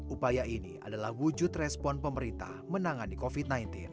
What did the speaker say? upaya ini adalah wujud respon pemerintah menangani covid sembilan belas